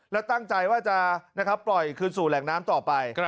และตั้งใจว่าจะปล่อยคืนสู่แหล่งน้ำต่อไป